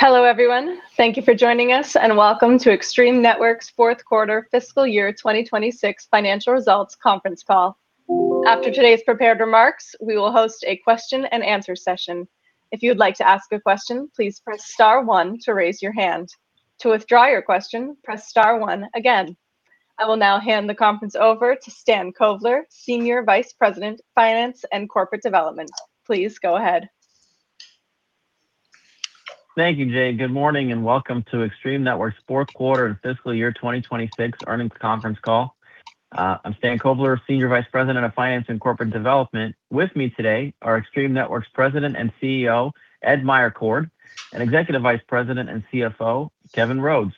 Hello, everyone. Thank you for joining us, and welcome to Extreme Networks' fourth quarter fiscal year 2026 financial results conference call. After today's prepared remarks, we will host a question and answer session. If you would like to ask a question, please press star one to raise your hand. To withdraw your question, press star one again. I will now hand the conference over to Stan Kovler, Senior Vice President of Finance and Corporate Development. Please go ahead. Thank you, Jade. Good morning, and welcome to Extreme Networks' fourth quarter and fiscal year 2026 earnings conference call. I'm Stan Kovler, Senior Vice President of Finance and Corporate Development. With me today are Extreme Networks President and CEO, Ed Meyercord, and Executive Vice President and CFO, Kevin Rhodes.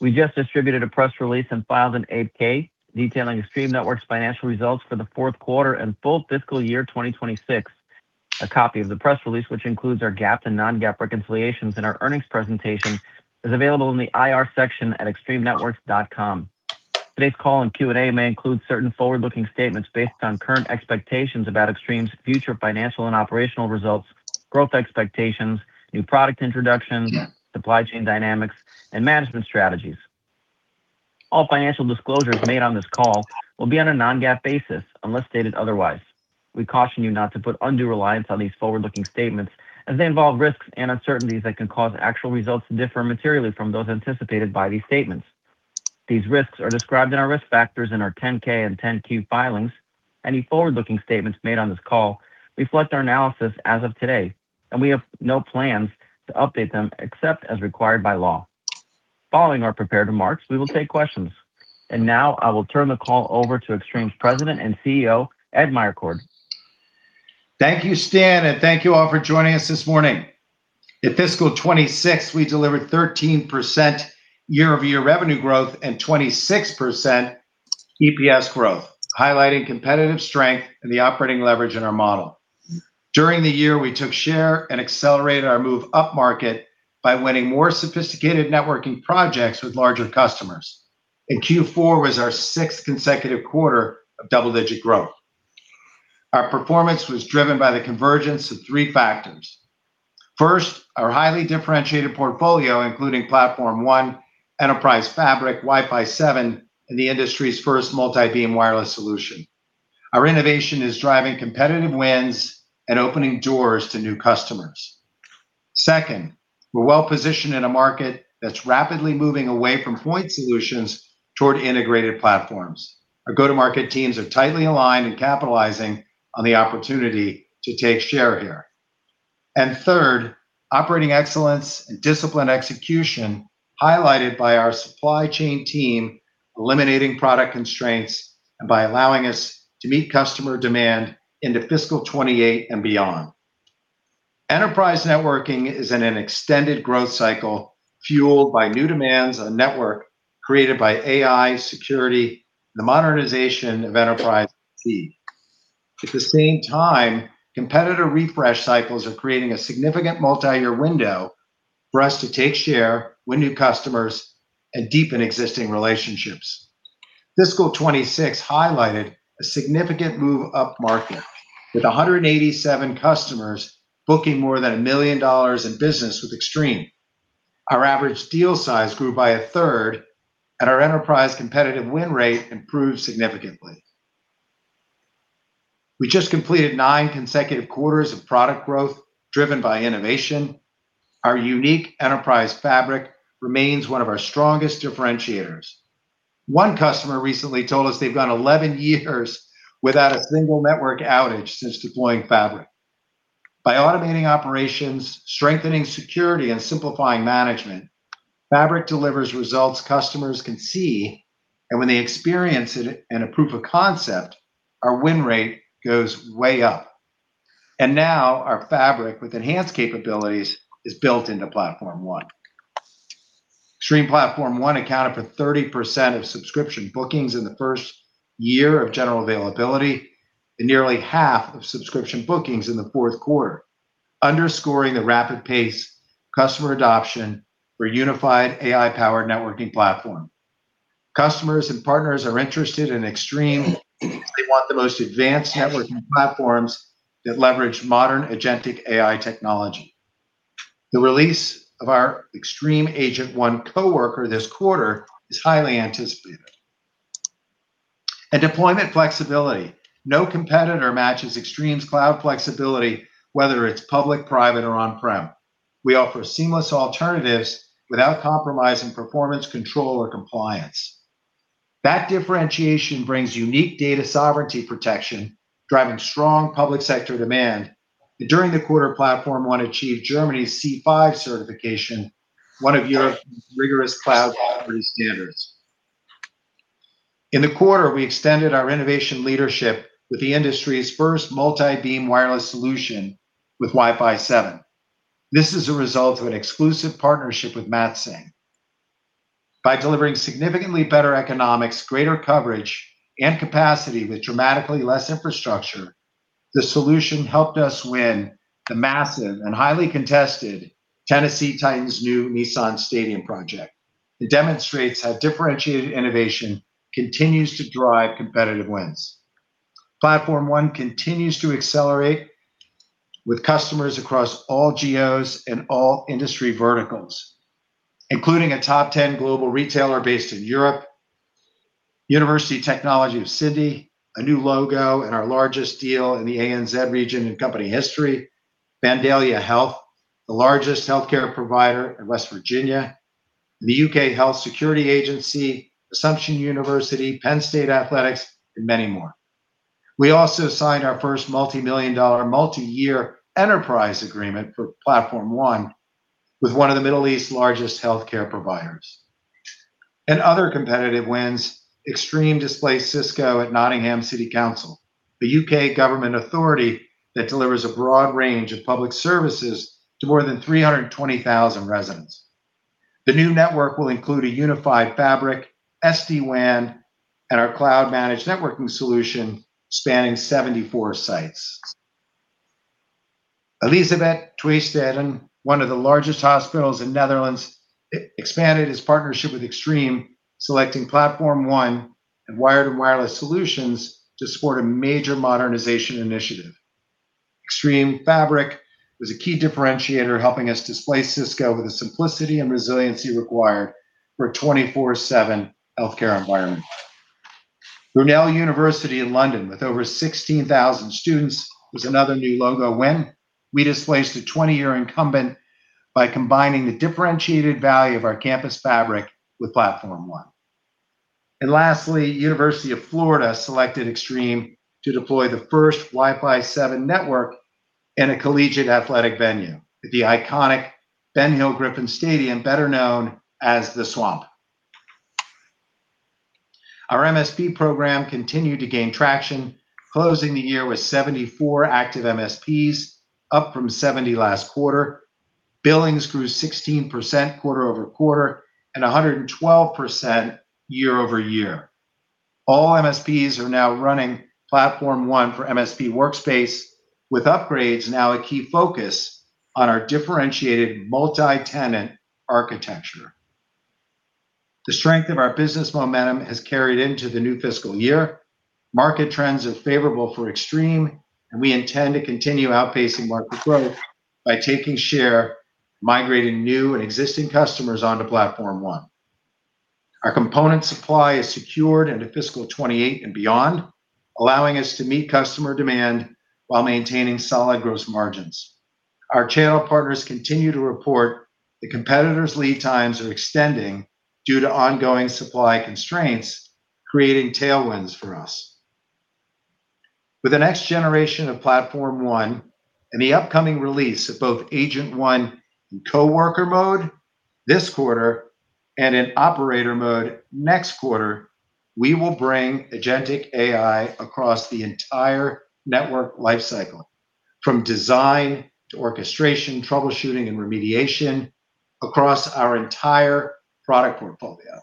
We just distributed a press release and filed an 8-K detailing Extreme Networks' financial results for the fourth quarter and full fiscal year 2026. A copy of the press release, which includes our GAAP and non-GAAP reconciliations and our earnings presentation, is available in the IR section at extremenetworks.com. Today's call and Q&A may include certain forward-looking statements based on current expectations about Extreme's future financial and operational results, growth expectations, new product introductions, supply chain dynamics, and management strategies. All financial disclosures made on this call will be on a non-GAAP basis unless stated otherwise. We caution you not to put undue reliance on these forward-looking statements as they involve risks and uncertainties that can cause actual results to differ materially from those anticipated by these statements. These risks are described in our risk factors in our 10-K and 10-Q filings. Any forward-looking statements made on this call reflect our analysis as of today, we have no plans to update them except as required by law. Following our prepared remarks, we will take questions. Now I will turn the call over to Extreme's President and CEO, Ed Meyercord. Thank you, Stan, and thank you all for joining us this morning. In fiscal 2026, we delivered 13% year-over-year revenue growth and 26% EPS growth, highlighting competitive strength and the operating leverage in our model. During the year, we took share and accelerated our move upmarket by winning more sophisticated networking projects with larger customers, Q4 was our sixth consecutive quarter of double-digit growth. Our performance was driven by the convergence of three factors. First, our highly differentiated portfolio, including Extreme Platform ONE, Extreme Fabric, Wi-Fi 7, and the industry's first multi-beam wireless solution. Our innovation is driving competitive wins and opening doors to new customers. Second, we're well-positioned in a market that's rapidly moving away from point solutions toward integrated platforms. Our go-to-market teams are tightly aligned capitalizing on the opportunity to take share here. Third, operating excellence and disciplined execution, highlighted by our supply chain team eliminating product constraints and by allowing us to meet customer demand into fiscal 2028 and beyond. Enterprise networking is in an extended growth cycle fueled by new demands on network created by AI, security, and the modernization of enterprise IT. At the same time, competitor refresh cycles are creating a significant multi-year window for us to take share, win new customers, and deepen existing relationships. Fiscal 2026 highlighted a significant move upmarket, with 187 customers booking more than $1 million in business with Extreme. Our average deal size grew by 1/3 and our enterprise competitive win rate improved significantly. We just completed nine consecutive quarters of product growth driven by innovation. Our unique Extreme Fabric remains one of our strongest differentiators. One customer recently told us they've gone 11 years without a single network outage since deploying Extreme Fabric. By automating operations, strengthening security, and simplifying management, Extreme Fabric delivers results customers can see, and when they experience it in a proof of concept, our win rate goes way up. Now our Extreme Fabric with enhanced capabilities is built into Extreme Platform ONE. Extreme Platform ONE accounted for 30% of subscription bookings in the first year of general availability, and nearly half of subscription bookings in the fourth quarter, underscoring the rapid pace customer adoption for a unified AI-powered networking platform. Customers and partners are interested in Extreme because they want the most advanced networking platforms that leverage modern agentic AI technology. The release of our Extreme Agent ONE Coworker this quarter is highly anticipated. Deployment flexibility. No competitor matches Extreme's cloud flexibility, whether it's public, private, or on-prem. We offer seamless alternatives without compromising performance, control, or compliance. That differentiation brings unique data sovereignty protection, driving strong public sector demand. During the quarter, Extreme Platform ONE achieved Germany's C5 certification, one of Europe's most rigorous cloud sovereignty standards. In the quarter, we extended our innovation leadership with the industry's first multi-beam wireless solution with Wi-Fi 7. This is a result of an exclusive partnership with MatSing. By delivering significantly better economics, greater coverage, and capacity with dramatically less infrastructure, the solution helped us win the massive and highly contested Tennessee Titans new Nissan Stadium project. It demonstrates how differentiated innovation continues to drive competitive wins. Extreme Platform ONE continues to accelerate with customers across all geos and all industry verticals, including a top 10 global retailer based in Europe, University of Technology Sydney, a new logo in our largest deal in the ANZ region in company history, Vandalia Health, the largest healthcare provider in West Virginia, the UK Health Security Agency, Assumption University, Penn State Athletics, and many more. We also signed our first multi-million dollar, multi-year enterprise agreement for Extreme Platform ONE with one of the Middle East's largest healthcare providers. In other competitive wins, Extreme displaced Cisco at Nottingham City Council, the U.K. government authority that delivers a broad range of public services to more than 320,000 residents. The new network will include a unified fabric, SD-WAN, and our cloud-managed networking solution spanning 74 sites. Elisabeth-TweeSteden, one of the largest hospitals in Netherlands, expanded its partnership with Extreme, selecting Extreme Platform ONE and wired and wireless solutions to support a major modernization initiative. Extreme Fabric was a key differentiator helping us displace Cisco with the simplicity and resiliency required for a 24/7 healthcare environment. Brunel University London with over 16,000 students was another new logo win. We displaced a 20-year incumbent by combining the differentiated value of our campus fabric with Extreme Platform ONE. Lastly, University of Florida selected Extreme to deploy the first Wi-Fi 7 network in a collegiate athletic venue, the iconic Ben Hill Griffin Stadium, better known as The Swamp. Our MSP program continued to gain traction, closing the year with 74 active MSPs, up from 70 last quarter. Billings grew 16% quarter-over-quarter and 112% year-over-year. All MSPs are now running Extreme Platform ONE for MSP Workspace, with upgrades now a key focus on our differentiated multi-tenant architecture. The strength of our business momentum has carried into the new fiscal year. Market trends are favorable for Extreme, and we intend to continue outpacing market growth by taking share, migrating new and existing customers onto Extreme Platform ONE. Our component supply is secured into fiscal 2028 and beyond, allowing us to meet customer demand while maintaining solid gross margins. Our channel partners continue to report that competitors' lead times are extending due to ongoing supply constraints, creating tailwinds for us. With the next generation of Extreme Platform ONE and the upcoming release of both Agent ONE in Coworker mode this quarter and in Operator mode next quarter, we will bring agentic AI across the entire network lifecycle, from design to orchestration, troubleshooting, and remediation across our entire product portfolio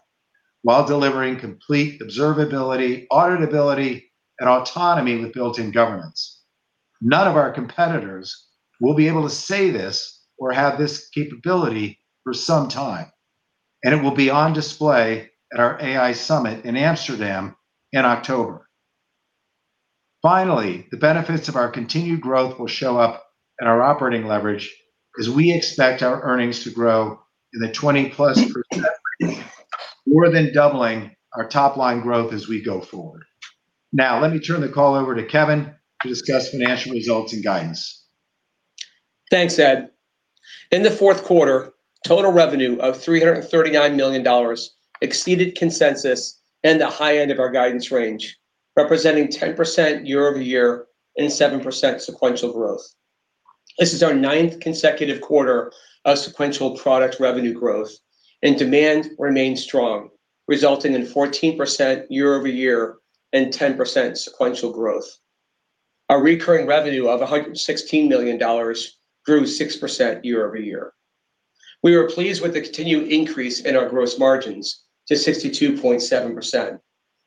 while delivering complete observability, auditability, and autonomy with built-in governance. None of our competitors will be able to say this or have this capability for some time, and it will be on display at our AI summit in Amsterdam in October. Finally, the benefits of our continued growth will show up in our operating leverage as we expect our earnings to grow in the 20%+ range, more than doubling our top-line growth as we go forward. Now, let me turn the call over to Kevin to discuss financial results and guidance. Thanks, Ed. In the fourth quarter, total revenue of $339 million exceeded consensus and the high end of our guidance range, representing 10% year-over-year and 7% sequential growth. This is our ninth consecutive quarter of sequential product revenue growth. Demand remained strong, resulting in 14% year-over-year and 10% sequential growth. Our recurring revenue of $116 million grew 6% year-over-year. We were pleased with the continued increase in our gross margins to 62.7%,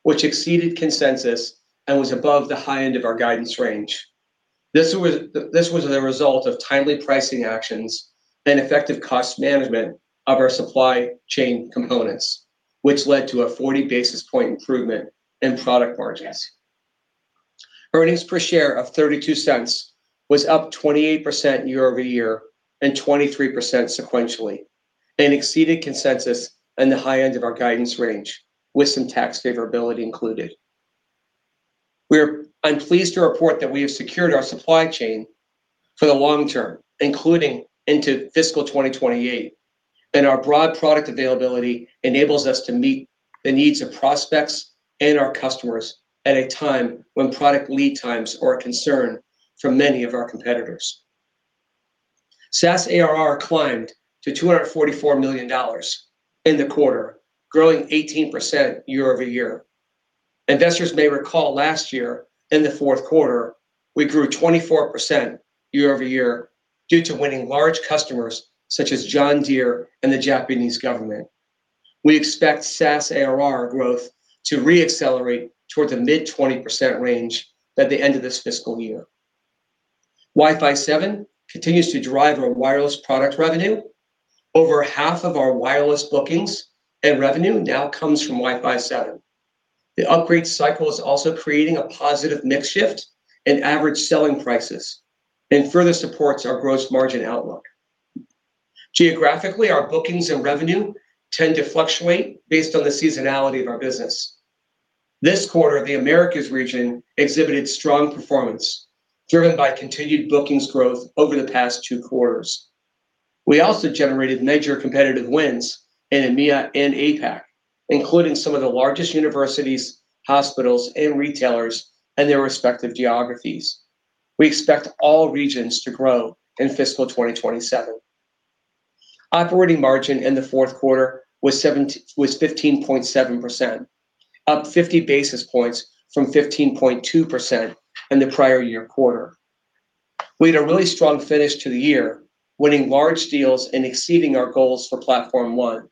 which exceeded consensus and was above the high end of our guidance range. This was the result of timely pricing actions and effective cost management of our supply chain components, which led to a 40-basis point improvement in product margins. Earnings per share of $0.32 was up 28% year-over-year and 23% sequentially and exceeded consensus in the high end of our guidance range with some tax favorability included. I'm pleased to report that we have secured our supply chain for the long term, including into fiscal 2028. Our broad product availability enables us to meet the needs of prospects and our customers at a time when product lead times are a concern for many of our competitors. SaaS ARR climbed to $244 million in the quarter, growing 18% year over year. Investors may recall last year in the fourth quarter, we grew 24% year over year due to winning large customers such as John Deere and the Japanese government. We expect SaaS ARR growth to re-accelerate towards the mid-20% range at the end of this fiscal year. Wi-Fi 7 continues to drive our wireless product revenue. Over half of our wireless bookings and revenue now comes from Wi-Fi 7. The upgrade cycle is also creating a positive mix shift in average selling prices further supports our gross margin outlook. Geographically, our bookings revenue tend to fluctuate based on the seasonality of our business. This quarter, the Americas region exhibited strong performance driven by continued bookings growth over the past two quarters. We also generated major competitive wins in EMEA and APAC, including some of the largest universities, hospitals, and retailers in their respective geographies. We expect all regions to grow in fiscal 2027. Operating margin in the fourth quarter was 15.7%, up 50 basis points from 15.2% in the prior year quarter. We had a really strong finish to the year, winning large deals exceeding our goals for Extreme Platform ONE,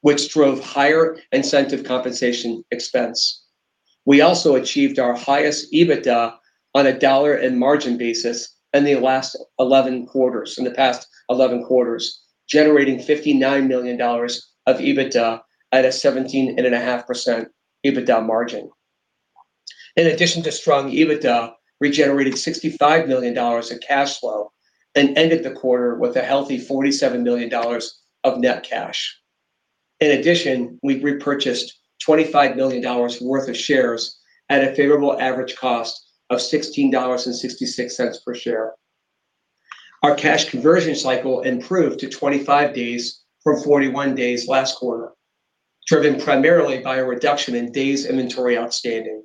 which drove higher incentive compensation expense. We also achieved our highest EBITDA on a dollar and margin basis in the last 11 quarters, generating $59 million of EBITDA at a 17.5% EBITDA margin. In addition to strong EBITDA, we generated $65 million in cash flow and ended the quarter with a healthy $47 million of net cash. In addition, we repurchased $25 million worth of shares at a favorable average cost of $16.66 per share. Our cash conversion cycle improved to 25 days from 41 days last quarter, driven primarily by a reduction in days inventory outstanding.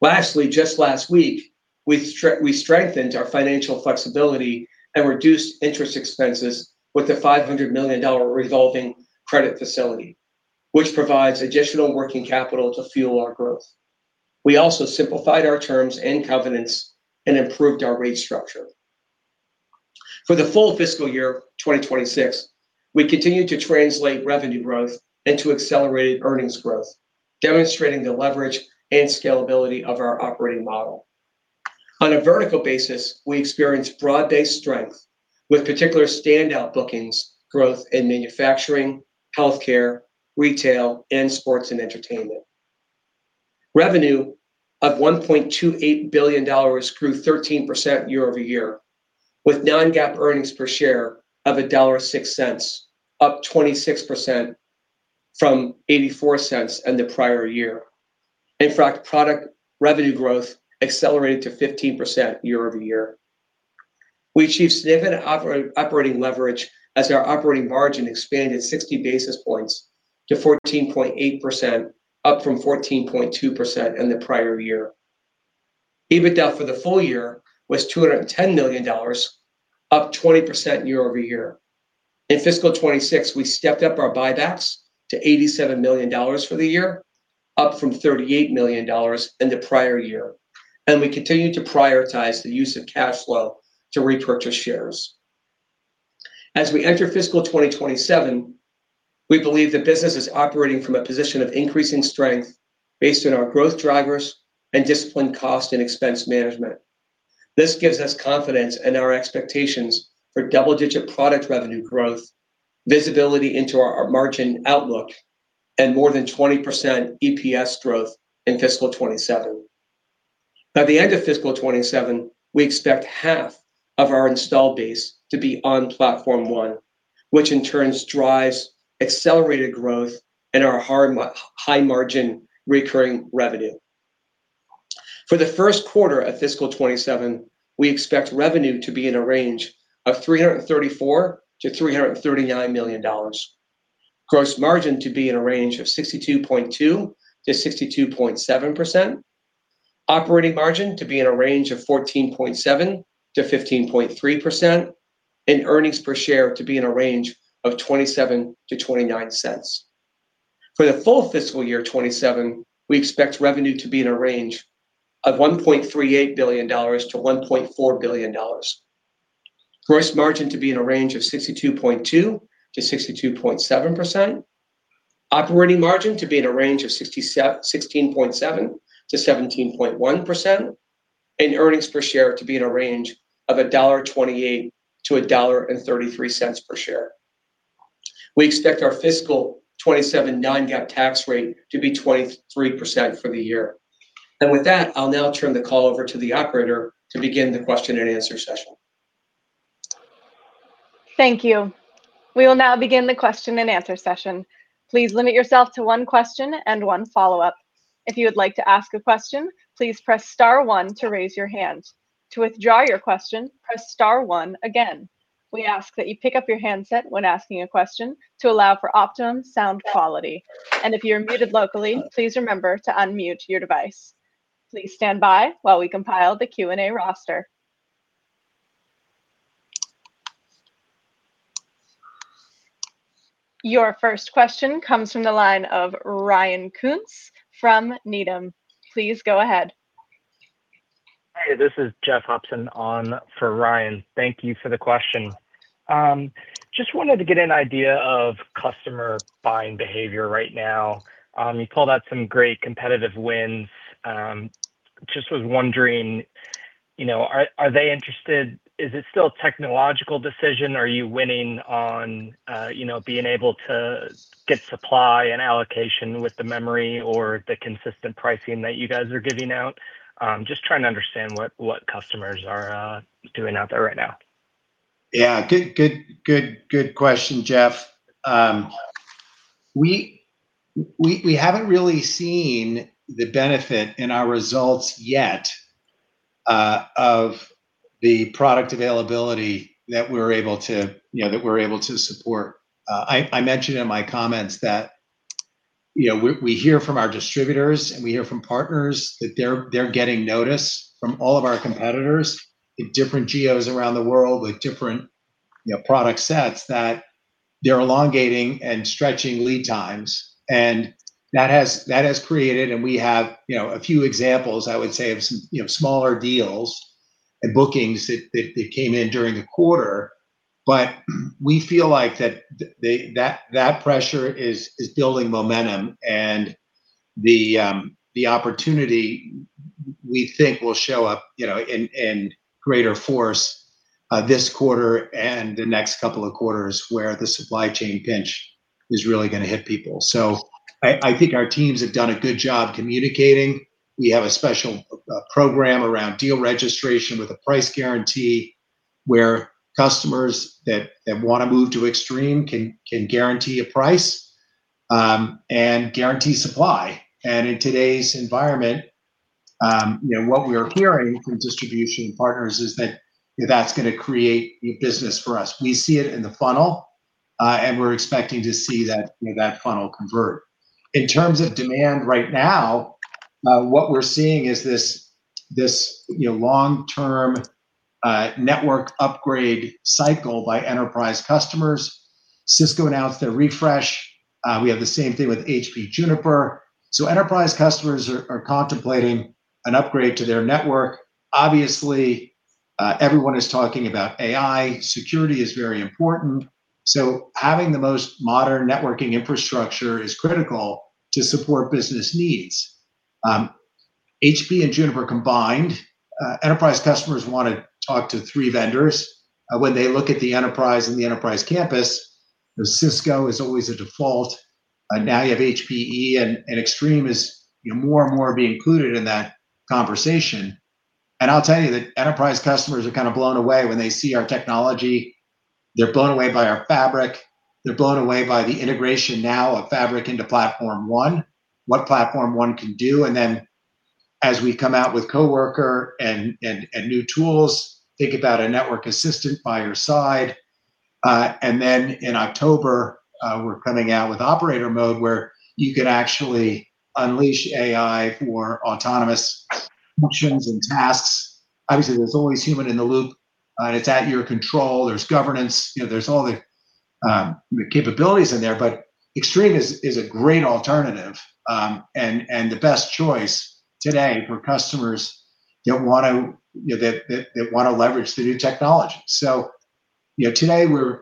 Lastly, just last week, we strengthened our financial flexibility reduced interest expenses with a $500 million revolving credit facility, which provides additional working capital to fuel our growth. We also simplified our terms and covenants and improved our rate structure. For the full fiscal year 2026, we continued to translate revenue growth into accelerated earnings growth, demonstrating the leverage and scalability of our operating model. On a vertical basis, we experienced broad-based strength with particular standout bookings growth in manufacturing, healthcare, retail, and sports and entertainment. Revenue of $1.28 billion grew 13% year over year, with non-GAAP earnings per share of $1.06, up 26% from $0.84 in the prior year. In fact, product revenue growth accelerated to 15% year over year. We achieved significant operating leverage as our operating margin expanded 60 basis points to 14.8%, up from 14.2% in the prior year. EBITDA for the full year was $210 million, up 20% year over year. In fiscal 2026, we stepped up our buybacks to $87 million for the year, up from $38 million in the prior year. We continue to prioritize the use of cash flow to repurchase shares. As we enter fiscal 2027, we believe the business is operating from a position of increasing strength based on our growth drivers and disciplined cost and expense management. This gives us confidence in our expectations for double-digit product revenue growth, visibility into our margin outlook, and more than 20% EPS growth in fiscal 2027. By the end of fiscal 2027, we expect half of our installed base to be on Extreme Platform ONE, which in turn drives accelerated growth in our high margin recurring revenue. For the first quarter of fiscal 2027, we expect revenue to be in a range of $334 million-$339 million, gross margin to be in a range of 62.2%-62.7%, operating margin to be in a range of 14.7%-15.3%, and earnings per share to be in a range of $0.27-$0.29. For the full fiscal year 2027, we expect revenue to be in a range of $1.38 billion-$1.4 billion, gross margin to be in a range of 62.2%-62.7%, operating margin to be in a range of 16.7%-17.1%, and earnings per share to be in a range of $1.28-$1.33 per share. We expect our fiscal 2027 non-GAAP tax rate to be 23% for the year. With that, I will now turn the call over to the operator to begin the question and answer session. Thank you. We will now begin the question and answer session. Please limit yourself to one question and one follow-up. If you would like to ask a question, please press star one to raise your hand. To withdraw your question, press star one again. We ask that you pick up your handset when asking a question to allow for optimum sound quality. If you are muted locally, please remember to unmute your device. Please stand by while we compile the Q&A roster. Your first question comes from the line of Ryan Koontz from Needham. Please go ahead. Hey, this is Jeff Hopson on for Ryan. Thank you for the question. Just wanted to get an idea of customer buying behavior right now. You called out some great competitive wins. Just was wondering, are they interested? Is it still a technological decision? Are you winning on being able to get supply and allocation with the memory or the consistent pricing that you guys are giving out? Just trying to understand what customers doing out there right now. Yeah. Good question, Jeff. We haven't really seen the benefit in our results yet of the product availability that we're able to support. I mentioned in my comments that we hear from our distributors, and we hear from partners that they're getting notice from all of our competitors in different geos around the world with different product sets that they're elongating and stretching lead times. That has created, and we have a few examples, I would say, of some smaller deals and bookings that came in during the quarter. We feel like that pressure is building momentum, and the opportunity, we think, will show up in greater force this quarter and the next couple of quarters, where the supply chain pinch is really going to hit people. I think our teams have done a good job communicating. We have a special program around deal registration with a price guarantee, where customers that want to move to Extreme can guarantee a price and guarantee supply. In today's environment, what we are hearing from distribution partners is that's going to create new business for us. We see it in the funnel, and we're expecting to see that funnel convert. In terms of demand right now, what we're seeing is this long-term network upgrade cycle by enterprise customers. Cisco announced their refresh. We have the same thing with HPE Juniper. Enterprise customers are contemplating an upgrade to their network. Obviously, everyone is talking about AI. Security is very important. Having the most modern networking infrastructure is critical to support business needs. HPE and Juniper combined, enterprise customers want to talk to three vendors. When they look at the enterprise and the enterprise campus, Cisco is always a default. Now you have HPE, and Extreme is more and more being included in that conversation. I'll tell you that enterprise customers are kind of blown away when they see our technology. They're blown away by our Extreme Fabric. They're blown away by the integration now of Extreme Fabric into Extreme Platform ONE, what Extreme Platform ONE can do. Then as we come out with Coworker and new tools, think about a network assistant by your side. Then in October, we're coming out with Operator mode, where you can actually unleash AI for autonomous functions and tasks. Obviously, there's always human in the loop. It's at your control. There's governance. There's all the capabilities in there. Extreme is a great alternative, and the best choice today for customers that want to leverage the new technology. Today, we're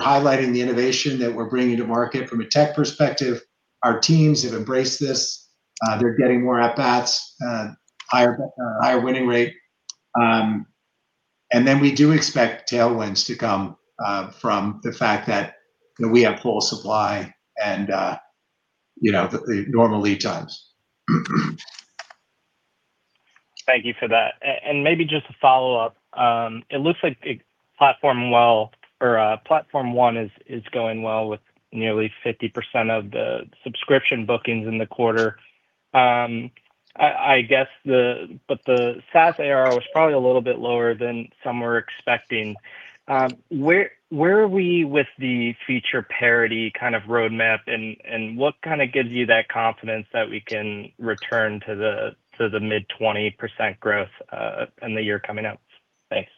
highlighting the innovation that we're bringing to market from a tech perspective. Our teams have embraced this. They're getting more at-bats, higher winning rate. Then we do expect tailwinds to come from the fact that we have full supply and the normal lead times. Thank you for that. Maybe just a follow-up. It looks like Extreme Platform ONE is going well with nearly 50% of the subscription bookings in the quarter. I guess the SaaS ARR was probably a little bit lower than some were expecting. Where are we with the feature parity kind of roadmap, and what kind of gives you that confidence that we can return to the mid 20% growth in the year coming up? Thanks.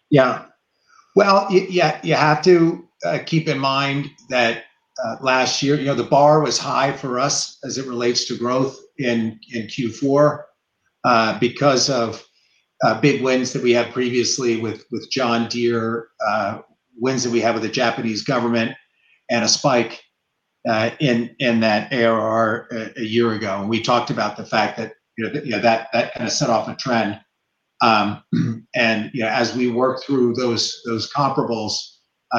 Well, you have to keep in mind that last year, the bar was high for us as it relates to growth in Q4 because of big wins that we had previously with John Deere, wins that we had with the Japanese government, and a spike in that ARR a year ago. We talked about the fact that kind of set off a trend. As we work through those comparables,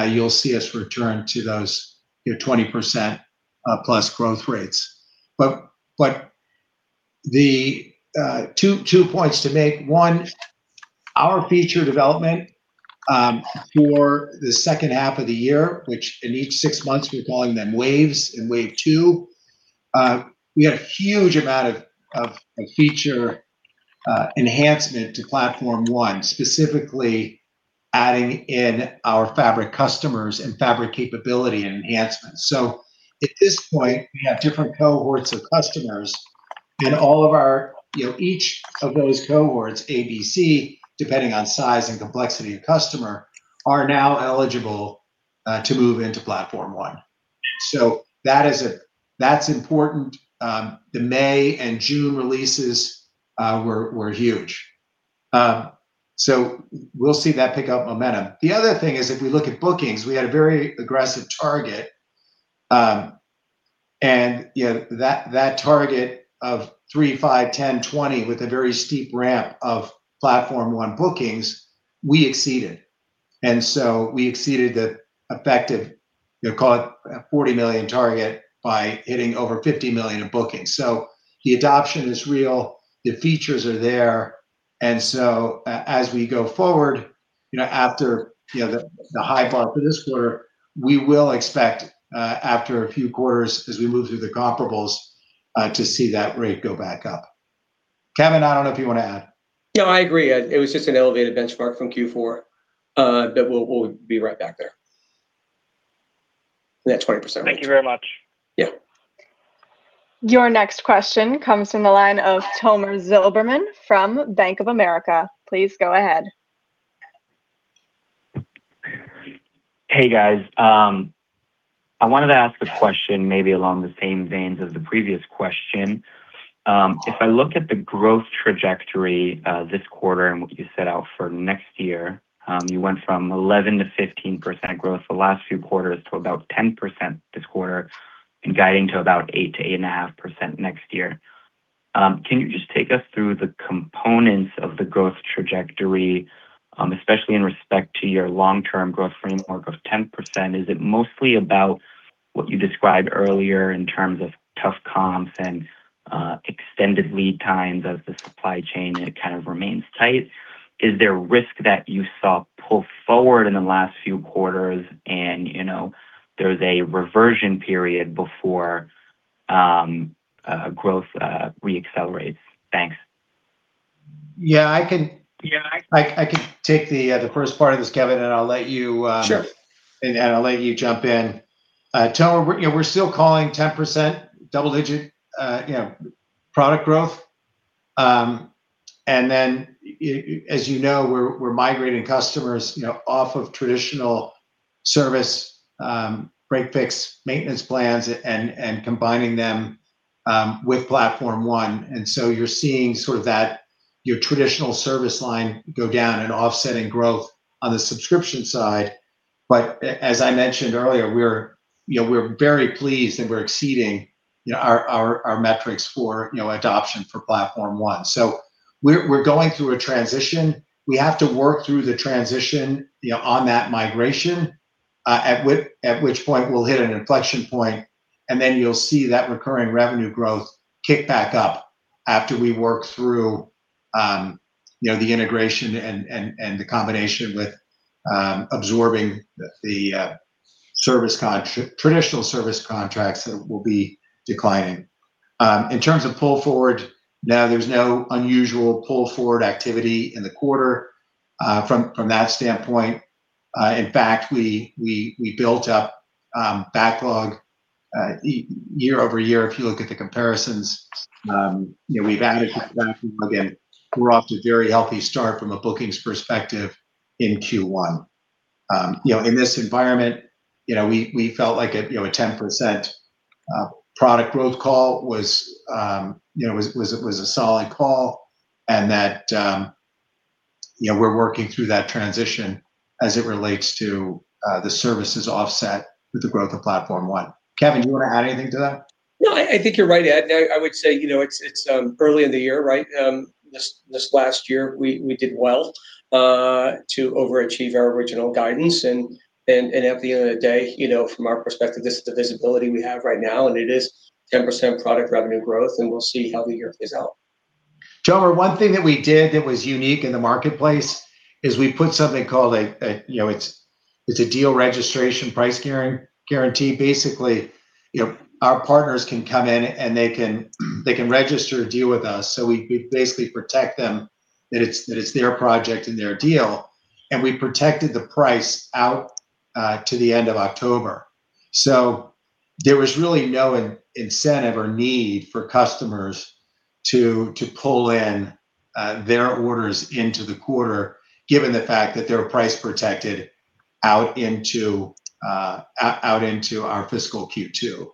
you'll see us return to those 20%+ growth rates. Two points to make. One, our feature development for the second half of the year, which in each six months, we're calling them waves, in wave two, we had a huge amount of feature enhancement to Extreme Platform ONE, specifically adding in our Extreme Fabric customers and Extreme Fabric capability and enhancements. At this point, we have different cohorts of customers in all of our Each of those cohorts, A, B, C, depending on size and complexity of customer, are now eligible to move into Extreme Platform ONE. That's important. The May and June releases were huge. We'll see that pick up momentum. The other thing is, if we look at bookings, we had a very aggressive target. That target of 3%, 5%, 10%, 20% with a very steep ramp of Extreme Platform ONE bookings, we exceeded. We exceeded the effective, call it a $40 million target by hitting over $50 million of bookings. The adoption is real, the features are there, as we go forward, after the high bar for this quarter, we will expect after a few quarters as we move through the comparables, to see that rate go back up. Kevin, I don't know if you want to add. No, I agree. It was just an elevated benchmark from Q4. We'll be right back there. That 20%. Thank you very much. Yeah. Your next question comes from the line of Tomer Zilberman from Bank of America. Please go ahead. Hey, guys. I wanted to ask a question maybe along the same veins as the previous question. If I look at the growth trajectory this quarter and what you set out for next year, you went from 11%-15% growth the last few quarters to about 10% this quarter and guiding to about 8%-8.5% next year. Can you just take us through the components of the growth trajectory, especially in respect to your long-term growth framework of 10%? Is it mostly about what you described earlier in terms of tough comps and extended lead times as the supply chain kind of remains tight? Is there risk that you saw pull forward in the last few quarters and there's a reversion period before growth re-accelerates? Thanks. Yeah, I can take the first part of this, Kevin. I'll let you. Sure. I'll let you jump in. Tomer, we're still calling 10% double-digit product growth. As you know, we're migrating customers off of traditional service break-fix maintenance plans and combining them with Extreme Platform ONE. You're seeing sort of that your traditional service line go down and offsetting growth on the subscription side. As I mentioned earlier, we're very pleased that we're exceeding our metrics for adoption for Extreme Platform ONE. We're going through a transition. We have to work through the transition on that migration, at which point we'll hit an inflection point, you'll see that recurring revenue growth kick back up after we work through the integration and the combination with absorbing the traditional service contracts that will be declining. In terms of pull forward, no, there's no unusual pull forward activity in the quarter from that standpoint. In fact, we built up backlog year-over-year, if you look at the comparisons. We've added that backlog in. We're off to a very healthy start from a bookings perspective in Q1. In this environment, we felt like a 10% product growth call was a solid call, and that we're working through that transition as it relates to the services offset with the growth of Extreme Platform ONE. Kevin, do you want to add anything to that? No, I think you're right, Ed. I would say it's early in the year, right? This last year, we did well to overachieve our original guidance. At the end of the day, from our perspective, this is the visibility we have right now, and it is 10% product revenue growth, and we'll see how the year plays out. Tomer, one thing that we did that was unique in the marketplace is we put something called a deal registration price guarantee. Basically, our partners can come in, and they can register a deal with us. We basically protect them, that it's their project and their deal, and we protected the price out to the end of October. There was really no incentive or need for customers to pull in their orders into the quarter, given the fact that they were price protected out into our fiscal Q2.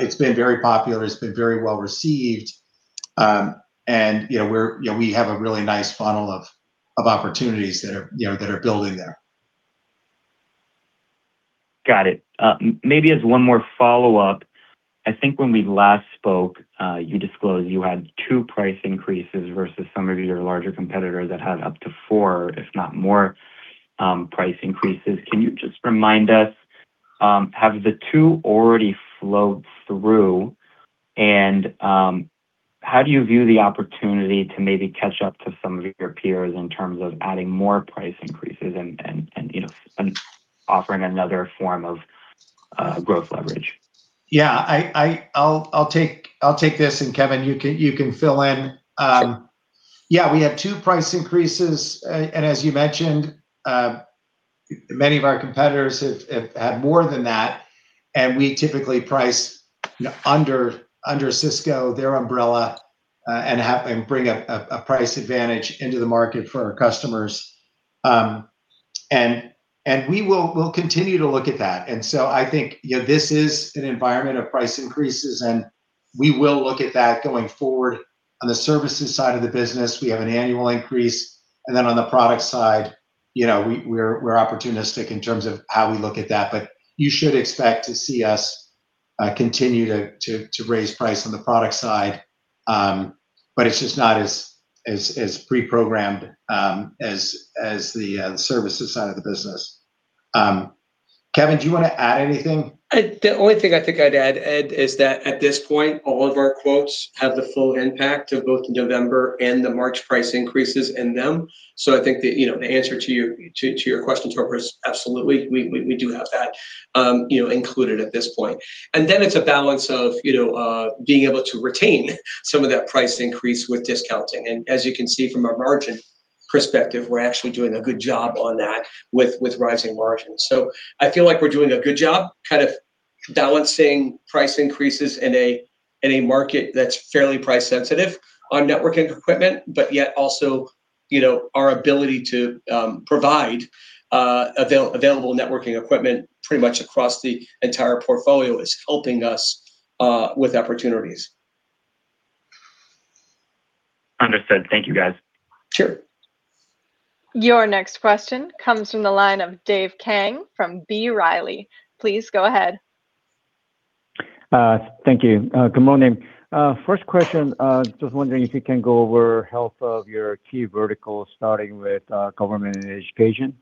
It's been very popular. It's been very well received, and we have a really nice funnel of opportunities that are building there. Got it. Maybe as one more follow-up, I think when we last spoke, you disclosed you had two price increases versus some of your larger competitors that had up to four, if not more, price increases. Can you just remind us, have the two already flowed through? How do you view the opportunity to maybe catch up to some of your peers in terms of adding more price increases and offering another form of growth leverage? Yeah. I'll take this, Kevin, you can fill in. Yeah, we had two price increases, as you mentioned, many of our competitors have had more than that, we typically price under Cisco, their umbrella, bring a price advantage into the market for our customers. We will continue to look at that. I think this is an environment of price increases, we will look at that going forward. On the services side of the business, we have an annual increase, on the product side, we're opportunistic in terms of how we look at that. You should expect to see us continue to raise price on the product side, it's just not as pre-programmed as the services side of the business. Kevin, do you want to add anything? The only thing I think I'd add, Ed, is that at this point, all of our quotes have the full impact of both the November and the March price increases in them. I think that the answer to your question, Tomer, is absolutely, we do have that included at this point. Then it's a balance of being able to retain some of that price increase with discounting. As you can see from our margin perspective, we're actually doing a good job on that with rising margins. I feel like we're doing a good job balancing price increases in a market that's fairly price sensitive on networking equipment, but yet also our ability to provide available networking equipment pretty much across the entire portfolio is helping us with opportunities. Understood. Thank you, guys. Sure. Your next question comes from the line of Dave Kang from B. Riley. Please go ahead. Thank you. Good morning. First question, just wondering if you can go over health of your key verticals starting with government and education.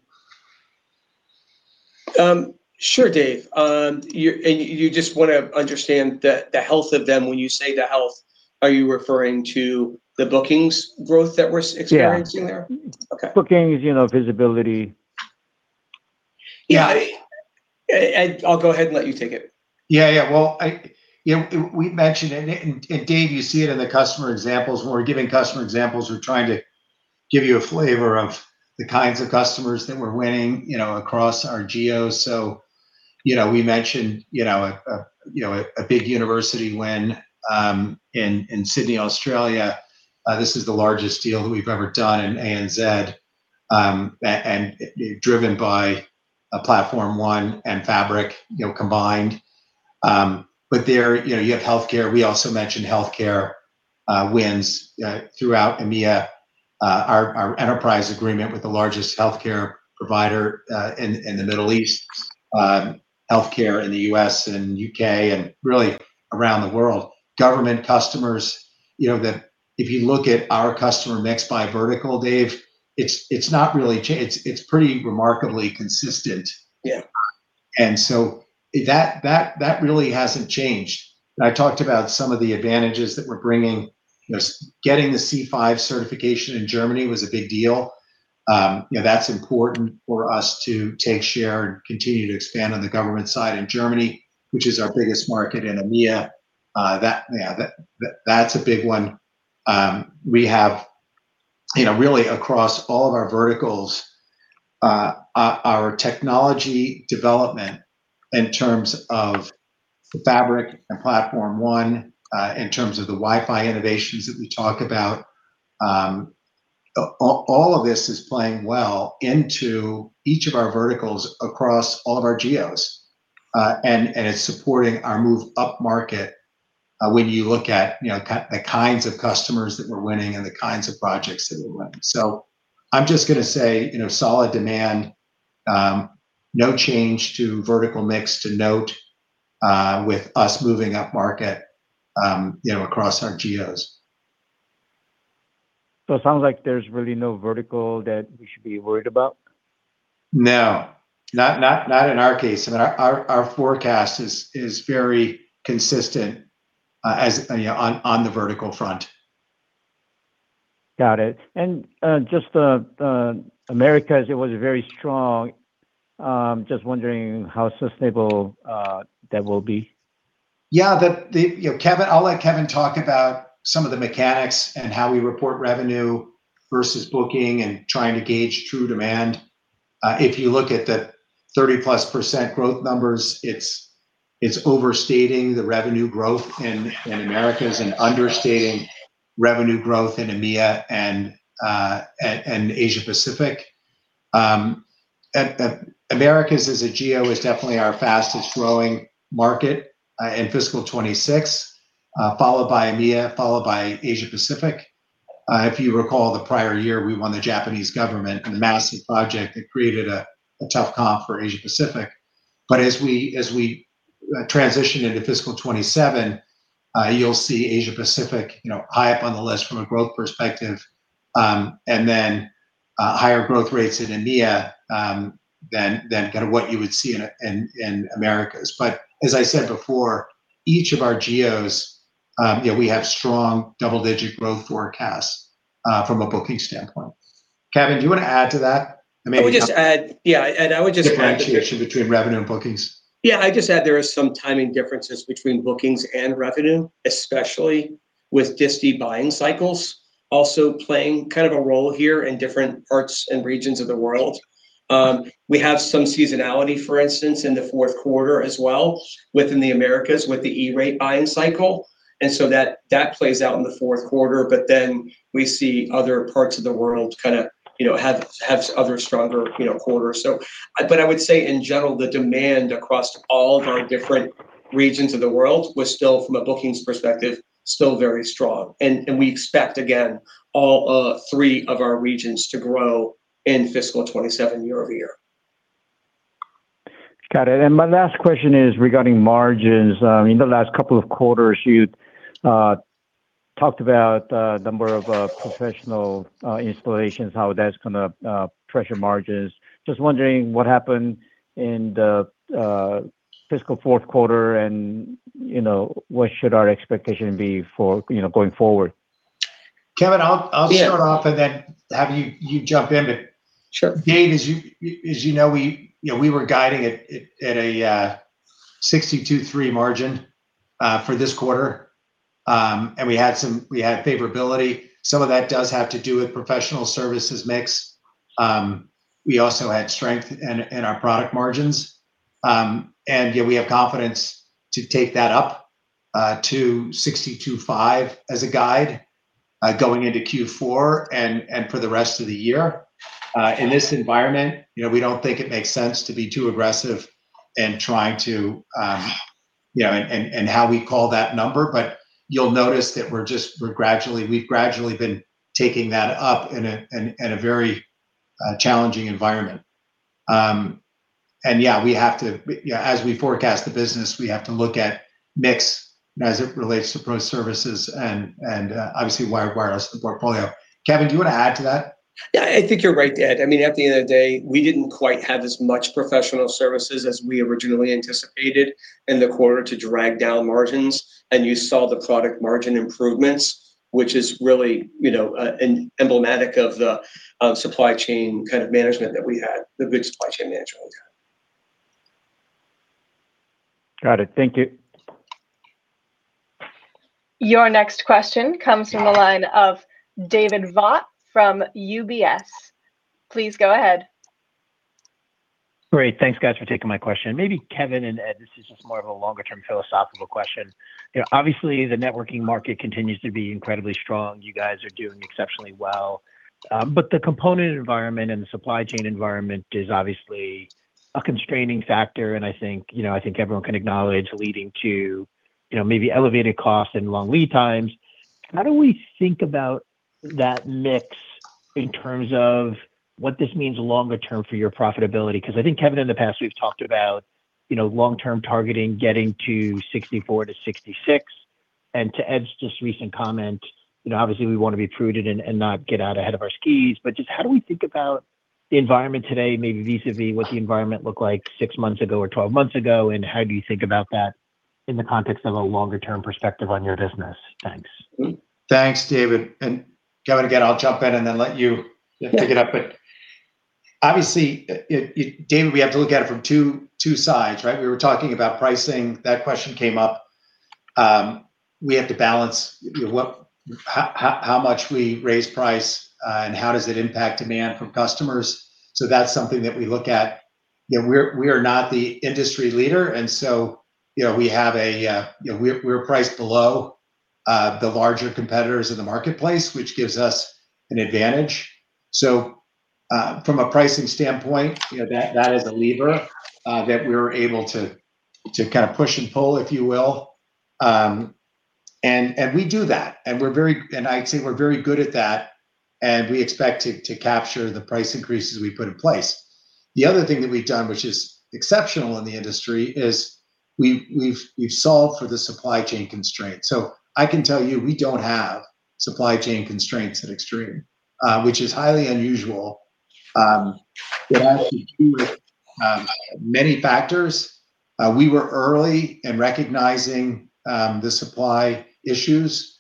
Sure, Dave. You just want to understand the health of them. When you say the health, are you referring to the bookings growth that we're experiencing there? Yeah. Okay. Bookings, visibility. Yeah. Ed, I'll go ahead and let you take it. Yeah. We mentioned, Dave, you see it in the customer examples. When we're giving customer examples, we're trying to give you a flavor of the kinds of customers that we're winning across our geos. We mentioned a big university win in Sydney, Australia. This is the largest deal that we've ever done in ANZ, driven by Extreme Platform ONE and Extreme Fabric combined. There you have healthcare. We also mentioned healthcare wins throughout EMEA, our enterprise agreement with the largest healthcare provider in the Middle East, healthcare in the U.S. and U.K. and really around the world. Government customers, if you look at our customer mix by vertical, Dave, it's pretty remarkably consistent. Yeah. That really hasn't changed. I talked about some of the advantages that we're bringing. Getting the C5 certification in Germany was a big deal. That's important for us to take share and continue to expand on the government side in Germany, which is our biggest market in EMEA. That's a big one. We have really across all of our verticals, our technology development in terms of Extreme Fabric and Extreme Platform ONE, in terms of the Wi-Fi innovations that we talk about, all of this is playing well into each of our verticals across all of our geos. It's supporting our move up market, when you look at the kinds of customers that we're winning and the kinds of projects that we're winning. I'm just going to say, solid demand, no change to vertical mix to note with us moving up market across our geos. It sounds like there's really no vertical that we should be worried about. No, not in our case. I mean, our forecast is very consistent on the vertical front. Got it. Just the Americas, it was very strong. Just wondering how sustainable that will be. Yeah. I'll let Kevin talk about some of the mechanics and how we report revenue versus booking and trying to gauge true demand. If you look at the 30%+ growth numbers, it's overstating the revenue growth in Americas and understating revenue growth in EMEA and Asia-Pacific. Americas as a geo is definitely our fastest growing market in fiscal 2026, followed by EMEA, followed by Asia-Pacific. If you recall, the prior year, we won the Japanese government in a massive project that created a tough comp for Asia-Pacific. As we transition into fiscal 2027, you'll see Asia-Pacific high up on the list from a growth perspective, and then higher growth rates in EMEA than what you would see in Americas. As I said before, each of our geos, we have strong double-digit growth forecasts from a booking standpoint. Kevin, do you want to add to that? I would just add, yeah. Differentiation between revenue and bookings. Yeah, I'd just add there is some timing differences between bookings and revenue, especially with disti buying cycles also playing a role here in different parts and regions of the world. We have some seasonality, for instance, in the fourth quarter as well within the Americas with the E-rate buying cycle, that plays out in the fourth quarter. We see other parts of the world have other stronger quarters. I would say in general, the demand across all of our different regions of the world, we're still from a bookings perspective, still very strong. We expect, again, all three of our regions to grow in fiscal 2027 year-over-year. My last question is regarding margins. In the last couple of quarters, you talked about a number of professional installations, how that's going to pressure margins. Just wondering what happened in the fiscal fourth quarter and what should our expectation be going forward? Kevin, I'll start off. Then have you jump in. Sure. Dave, as you know, we were guiding it at a 62.3% margin for this quarter. We had favorability. Some of that does have to do with professional services mix. We also had strength in our product margins. We have confidence to take that up to 62.5% as a guide going into Q4 and for the rest of the year. In this environment, we don't think it makes sense to be too aggressive in trying to how we call that number, you'll notice that we've gradually been taking that up in a very challenging environment. As we forecast the business, we have to look at mix as it relates to pro services and obviously wired, wireless, the portfolio. Kevin, do you want to add to that? Yeah, I think you're right, Ed. At the end of the day, we didn't quite have as much professional services as we originally anticipated in the quarter to drag down margins. You saw the product margin improvements, which is really emblematic of the supply chain kind of management that we had, the good supply chain management we've had. Got it. Thank you. Your next question comes from the line of David Vogt from UBS. Please go ahead. Great. Thanks, guys, for taking my question. Maybe Kevin and Ed, this is just more of a longer-term philosophical question. Obviously, the networking market continues to be incredibly strong. You guys are doing exceptionally well. The component environment and the supply chain environment is obviously a constraining factor, and I think everyone can acknowledge leading to maybe elevated costs and long lead times. How do we think about that mix in terms of what this means longer term for your profitability? Because I think, Kevin, in the past, we've talked about long-term targeting, getting to 64%-66%. To Ed's just recent comment, obviously we want to be prudent and not get out ahead of our skis, but just how do we think about the environment today, maybe vis-a-vis what the environment looked like six months ago or 12 months ago, and how do you think about that in the context of a longer-term perspective on your business? Thanks. Thanks, David. Kevin, again, I'll jump in and then let you pick it up. Obviously, David, we have to look at it from two sides, right? We were talking about pricing. That question came up. We have to balance how much we raise price and how does it impact demand from customers. That's something that we look at. We are not the industry leader, we're priced below the larger competitors in the marketplace, which gives us an advantage. From a pricing standpoint, that is a lever that we're able to kind of push and pull, if you will. We do that, I'd say we're very good at that, and we expect to capture the price increases we put in place. The other thing that we've done, which is exceptional in the industry, is we've solved for the supply chain constraint. I can tell you, we don't have supply chain constraints at Extreme, which is highly unusual. It has to do with many factors. We were early in recognizing the supply issues.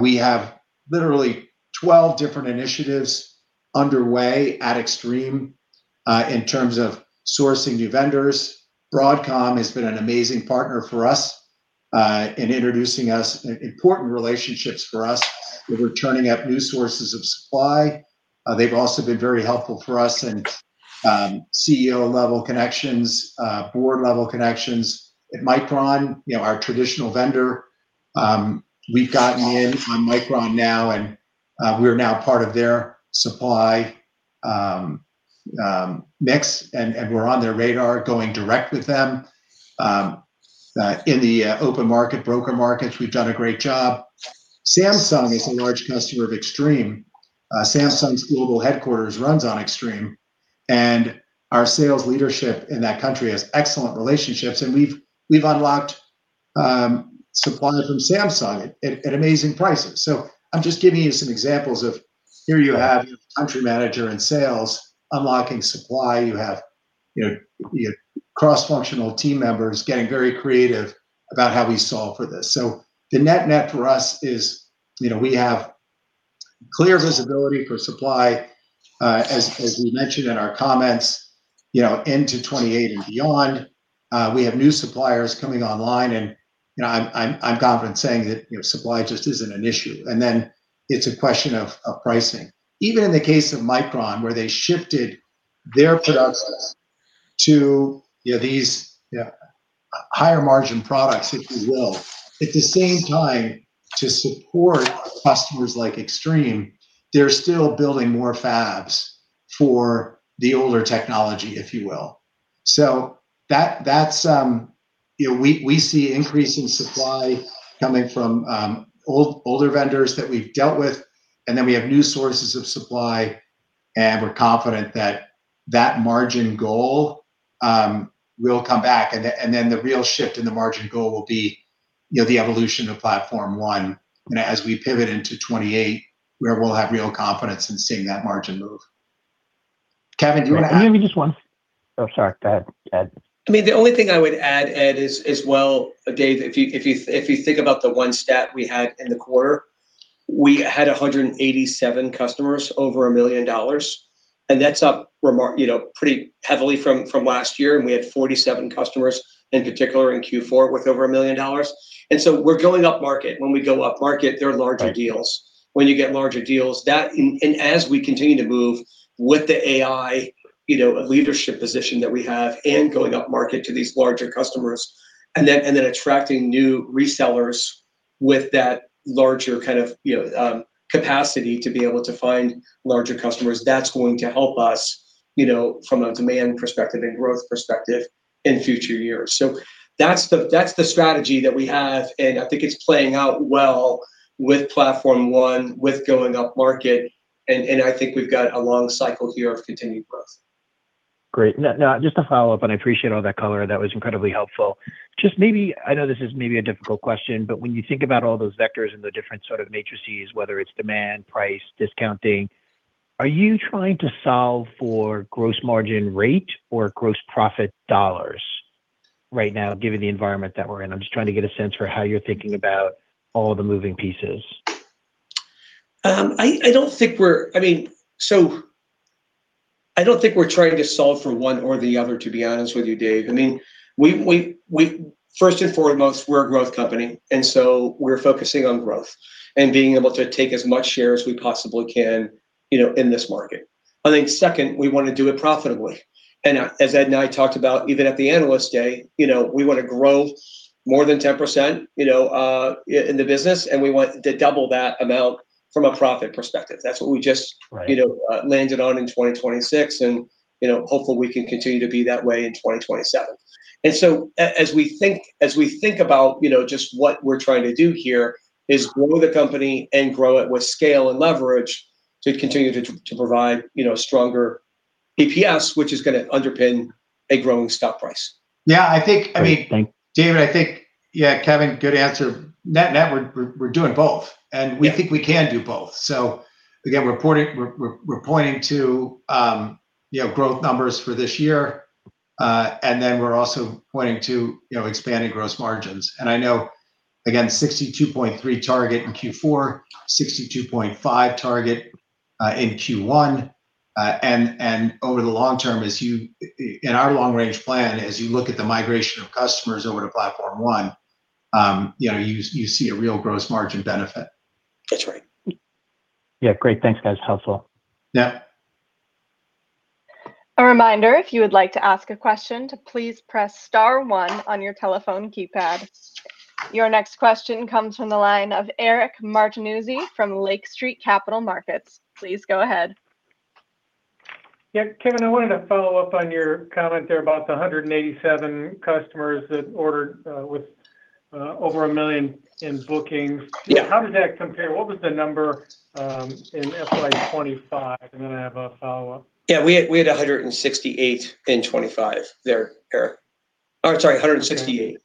We have literally 12 different initiatives underway at Extreme in terms of sourcing new vendors. Broadcom has been an amazing partner for us in introducing us important relationships for us with returning up new sources of supply. They've also been very helpful for us in CEO level connections, board level connections. At Micron, our traditional vendor, we've gotten in on Micron now, and we are now part of their supply mix, and we're on their radar going direct with them. In the open market, broker markets, we've done a great job. Samsung is a large customer of Extreme. Samsung's global headquarters runs on Extreme, our sales leadership in that country has excellent relationships, and we've unlocked supply from Samsung at amazing prices. I'm just giving you some examples of here you have your country manager in sales unlocking supply. You have your cross-functional team members getting very creative about how we solve for this. The net-net for us is we have clear visibility for supply, as we mentioned in our comments, into 2028 and beyond. We have new suppliers coming online, and I'm confident saying that supply just isn't an issue. Then it's a question of pricing. Even in the case of Micron, where they shifted their products to these higher margin products, if you will. At the same time, to support customers like Extreme, they're still building more fabs for the older technology, if you will. We see increasing supply coming from older vendors that we've dealt with, then we have new sources of supply, and we're confident that that margin goal will come back. The real shift in the margin goal will be the evolution of Extreme Platform ONE as we pivot into 2028, where we'll have real confidence in seeing that margin move. Kevin, do you want to add? Maybe just one. Oh, sorry. Go ahead, Ed. The only thing I would add, Ed, is, well, David, if you think about the one stat we had in the quarter, we had 187 customers over $1 million, that's up pretty heavily from last year. We had 47 customers in particular in Q4 with over $1 million. We're going up market. When we go up market, there are- Right. Larger deals. When you get larger deals, as we continue to move with the AI leadership position that we have, going up market to these larger customers, then attracting new resellers with that larger capacity to be able to find larger customers, that's going to help us from a demand perspective and growth perspective in future years. That's the strategy that we have, and I think it's playing out well with Extreme Platform ONE, with going up market, and I think we've got a long cycle here of continued growth. Great. Now, just to follow up. I appreciate all that color. That was incredibly helpful. I know this is maybe a difficult question, but when you think about all those vectors and the different sort of matrices, whether it's demand, price, discounting, are you trying to solve for gross margin rate or gross profit dollars right now given the environment that we're in? I'm just trying to get a sense for how you're thinking about all the moving pieces. I don't think we're trying to solve for one or the other, to be honest with you, David. First and foremost, we're a growth company. We're focusing on growth and being able to take as much share as we possibly can in this market. I think second, we want to do it profitably. As Ed and I talked about, even at the Analyst Day, we want to grow more than 10% in the business. We want to double that amount from a profit perspective. That's what we just- Right. Landed on in 2026. Hopefully we can continue to be that way in 2027. As we think about just what we're trying to do here is grow the company and grow it with scale and leverage to continue to provide stronger EPS, which is going to underpin a growing stock price. Yeah. Great. Thank you. David, I think, yeah, Kevin, good answer. Net, we're doing both. We think we can do both. Again, we're pointing to growth numbers for this year. Then we're also pointing to expanding gross margins. I know, again, 62.3% target in Q4, 62.5% target in Q1. Over the long term, in our long range plan, as you look at the migration of customers over to Extreme Platform ONE, you see a real gross margin benefit. That's right. Yeah, great. Thanks, guys. Helpful. Yeah. A reminder, if you would like to ask a question, to please press star one on your telephone keypad. Your next question comes from the line of Eric Martinuzzi from Lake Street Capital Markets. Please go ahead. Yeah, Kevin, I wanted to follow up on your comment there about the 187 customers that ordered with over $1 million in bookings. Yeah. How does that compare? What was the number in FY 2025? I have a follow-up. We had 168 in 2025 there, Eric. Sorry, 168.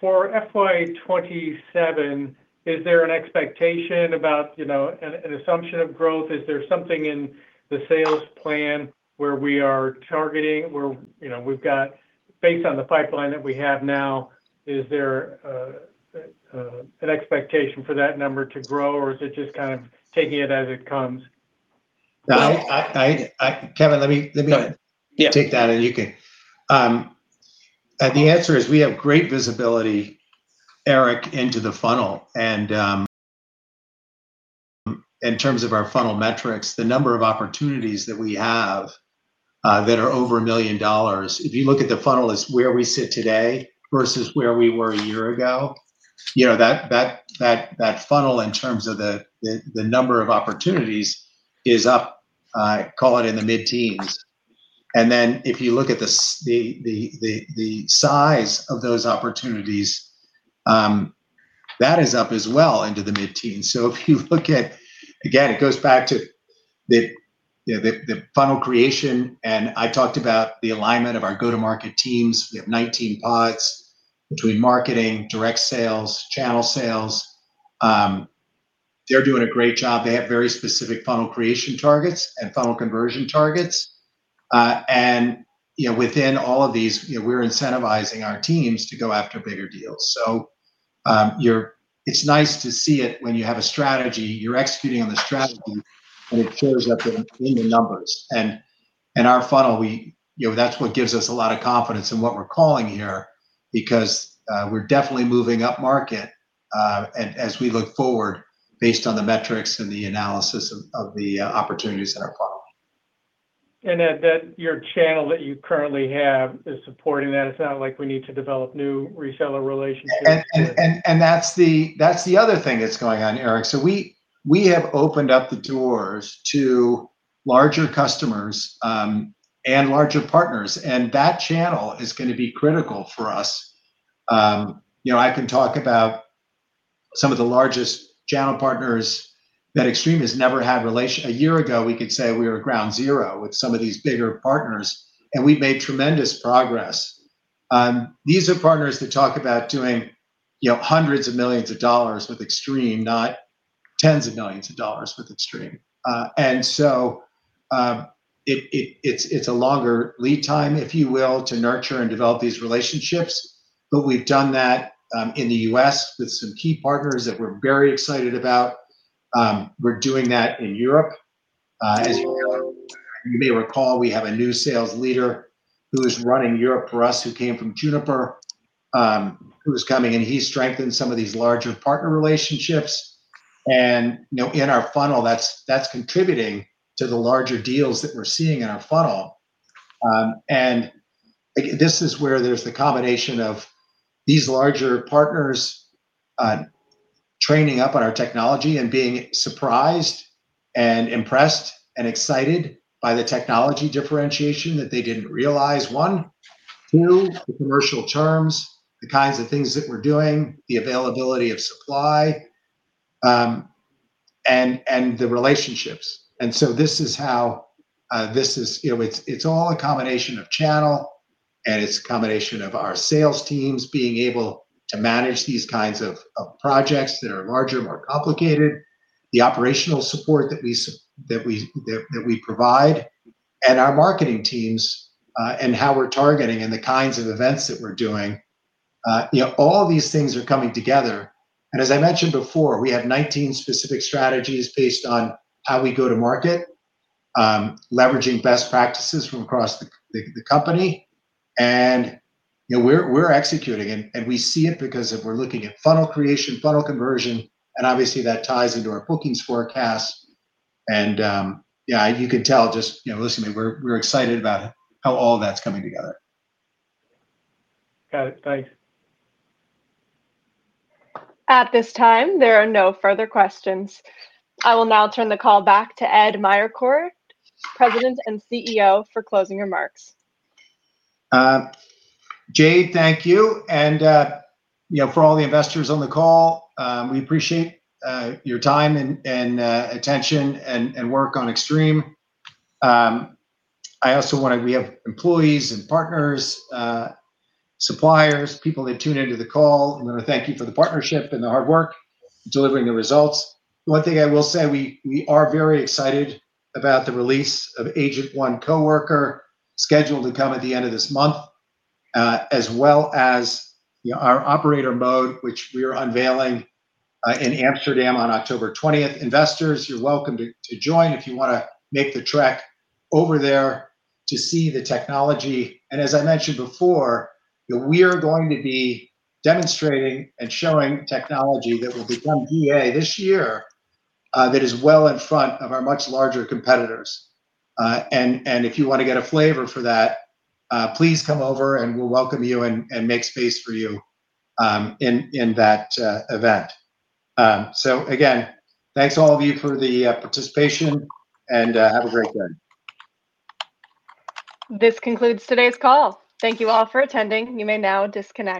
For FY 2027, is there an expectation about an assumption of growth? Is there something in the sales plan where we are targeting, where we've got based on the pipeline that we have now, is there an expectation for that number to grow, or is it just kind of taking it as it comes? Kevin, let me take that. Go ahead. Yeah. The answer is we have great visibility, Eric, into the funnel. In terms of our funnel metrics, the number of opportunities that we have that are over $1 million, if you look at the funnel as where we sit today versus where we were one year ago, that funnel in terms of the number of opportunities is up, call it in the mid-teens. If you look at the size of those opportunities, that is up as well into the mid-teens. If you look at, again, it goes back to the funnel creation, and I talked about the alignment of our go-to-market teams. We have 19 pods between marketing, direct sales, channel sales. They're doing a great job. They have very specific funnel creation targets and funnel conversion targets. Within all of these, we're incentivizing our teams to go after bigger deals. It's nice to see it when you have a strategy, you're executing on the strategy, and it shows up in the numbers. Our funnel, that's what gives us a lot of confidence in what we're calling here, because we're definitely moving up market, and as we look forward, based on the metrics and the analysis of the opportunities in our funnel. Ed, that your channel that you currently have is supporting that. It's not like we need to develop new reseller relationships. That's the other thing that's going on, Eric. We have opened up the doors to larger customers, and larger partners, and that channel is going to be critical for us. I can talk about some of the largest channel partners that Extreme has never had. A year ago, we could say we were ground zero with some of these bigger partners, and we've made tremendous progress. These are partners that talk about doing hundreds of millions of dollars with Extreme, not tens of millions of dollars with Extreme. It's a longer lead time, if you will, to nurture and develop these relationships. We've done that in the U.S. with some key partners that we're very excited about. We're doing that in Europe. As you may recall, we have a new sales leader who is running Europe for us, who came from Juniper, who's coming in. He strengthened some of these larger partner relationships and in our funnel, that's contributing to the larger deals that we're seeing in our funnel. This is where there's the combination of these larger partners training up on our technology and being surprised and impressed and excited by the technology differentiation that they didn't realize, one. Two, the commercial terms, the kinds of things that we're doing, the availability of supply, and the relationships. It's all a combination of channel, and it's a combination of our sales teams being able to manage these kinds of projects that are larger, more complicated, the operational support that we provide, and our marketing teams, and how we're targeting and the kinds of events that we're doing. All these things are coming together, and as I mentioned before, we have 19 specific strategies based on how we go to market, leveraging best practices from across the company. We're executing and we see it because if we're looking at funnel creation, funnel conversion, and obviously that ties into our bookings forecast and, yeah, you can tell just listening, we're excited about how all that's coming together. Got it. Thanks. At this time, there are no further questions. I will now turn the call back to Ed Meyercord, President and CEO, for closing remarks. Jade, thank you. For all the investors on the call, we appreciate your time and attention and work on Extreme. We have employees and partners, suppliers, people that tune into the call. I want to thank you for the partnership and the hard work delivering the results. One thing I will say, we are very excited about the release of Agent ONE Coworker, scheduled to come at the end of this month, as well as our Operator mode, which we are unveiling in Amsterdam on October 20th. Investors, you're welcome to join if you want to make the trek over there to see the technology. As I mentioned before, we are going to be demonstrating and showing technology that will become GA this year, that is well in front of our much larger competitors. If you want to get a flavor for that, please come over and we'll welcome you and make space for you in that event. Again, thanks all of you for the participation and have a great day. This concludes today's call. Thank you all for attending. You may now disconnect.